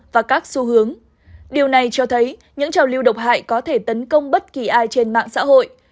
và các xu hướng điều này cho thấy những trào lưu độc hại có thể tấn công bất kỳ ai trên mạng xã hội